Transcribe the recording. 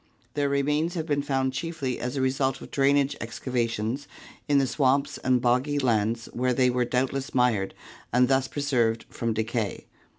Their remains have been found chiefly as a result of drainage excavations in the swamps and boggy lands where they were doubtless mired and thus preserved from decay.